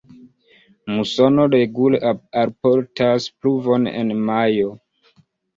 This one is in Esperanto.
Musono regule alportas pluvon en majo.